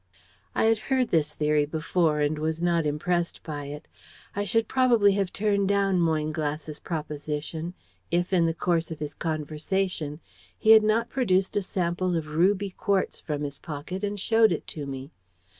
"I had heard this theory before, and was not impressed by it. I should probably have turned down Moynglass's proposition if, in the course of his conversation, he had not produced a sample of ruby quartz from his pocket and showed it to me.